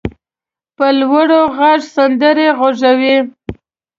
په لوړ غږ سندرې غږوي.